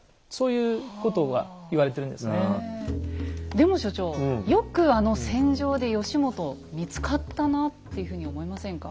でも所長よくあの戦場で義元見つかったなっていうふうに思いませんか？